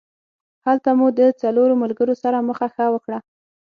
هلته مو د څلورو ملګرو سره مخه ښه وکړه.